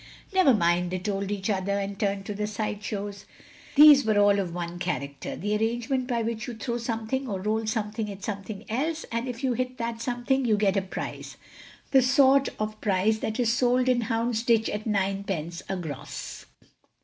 "Never mind," they told each other—and turned to the sideshows. These were all of one character—the arrangement by which you throw something or roll something at something else, and if you hit the something you get a prize—the sort of prize that is sold in Houndsditch at ninepence a gross.